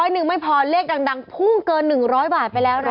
หนึ่งไม่พอเลขดังพุ่งเกิน๑๐๐บาทไปแล้วนะ